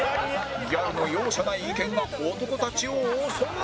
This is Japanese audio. ギャルの容赦ない意見が男たちを襲う！